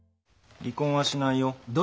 離婚はしないよ。